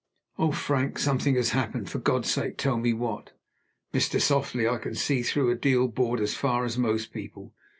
"Oh! Frank, something has happened! For God's sake, tell me what!" "Mr. Softly, I can see through a deal board as far as most people.